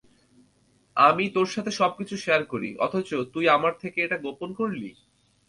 আমি তোর সাথে সবকিছু শেয়ার করি, অথচ তুই আমার থেকে এটা গোপন করলি।